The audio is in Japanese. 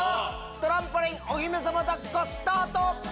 トランポリンお姫様抱っこスタート！